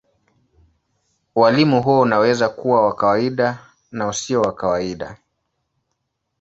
Ualimu huo unaweza kuwa wa kawaida na usio wa kawaida.